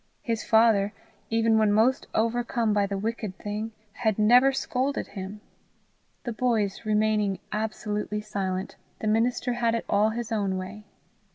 His father, even when most overcome by the wicked thing, had never scolded him! The boys remaining absolutely silent, the minister had it all his own way.